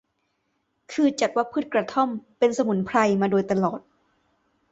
คือจัดว่าพืชกระท่อมเป็นสมุนไพรมาโดยตลอด